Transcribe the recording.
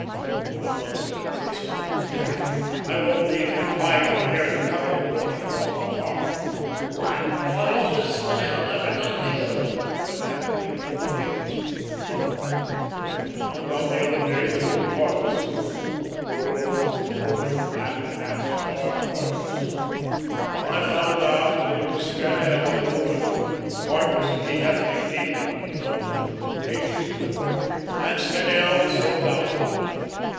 If I once get a twist of that rat, I won't leave him hide nor hair to cover the wart he calls his heart." "Why, what all has Scannel ever done to you?" demanded the other, amazed. "Nothing, but I found out the other day that old Hargus poor old, broken backed, half starved Hargus I found out that it was Scannel that ruined him. Hargus and he had a big deal on, you know oh, ages ago and Scannel sold out on him.